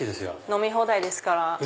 飲み放題ですから。